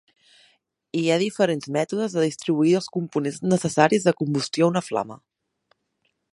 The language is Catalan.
Hi ha diferents mètodes de distribuir els components necessaris de combustió a una flama.